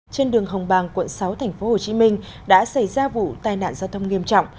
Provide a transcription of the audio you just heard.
trên đường hồng bàng quận sáu tp hcm đã xảy ra vụ tai nạn giao thông nghiêm trọng